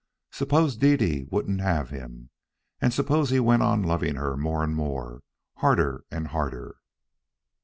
Suppose Dede wouldn't have him, and suppose he went on loving her more and more, harder and harder?